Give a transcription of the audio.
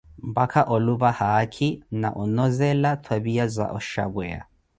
mpakha ulupa haakhi, na onozela twapiya za oshapweya.